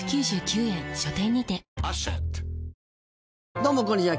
どうもこんにちは。